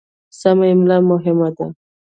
سمه املا مهمه ده.